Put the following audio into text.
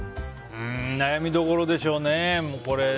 悩みどころでしょうね、これ。